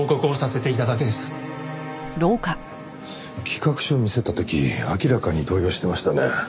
企画書を見せた時明らかに動揺してましたね。